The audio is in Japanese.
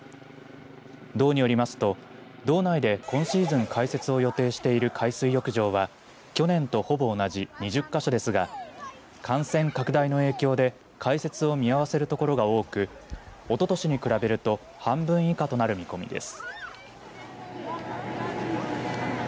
道によりますと道内で、今シーズン開設を予定している海水浴場は去年とほぼ同じ２０か所ですが感染拡大の影響で開設を見合わせるところが多くおととしに比べると半分以下となる見込みです。